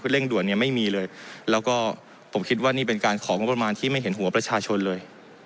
เร่งด่วนเนี่ยไม่มีเลยแล้วก็ผมคิดว่านี่เป็นการของงบประมาณที่ไม่เห็นหัวประชาชนเลย